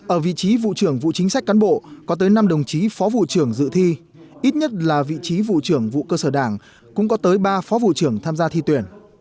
ở vị trí vụ trưởng vụ chính sách cán bộ có tới năm đồng chí phó vụ trưởng dự thi ít nhất là vị trí vụ trưởng vụ cơ sở đảng cũng có tới ba phó vụ trưởng tham gia thi tuyển